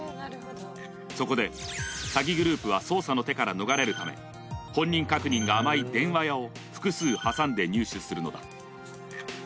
そこで詐欺グループは捜査の手から逃れるため、本人確認が甘い電話屋を複数挟んで入手するのだ。